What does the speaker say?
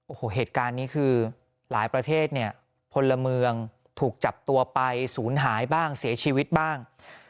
โอ้โหเหตุการณ์นี้คือหลายประเทศเนี่ยพลเมืองถูกจับตัวไปศูนย์หายบ้างเสียชีวิตบ้าง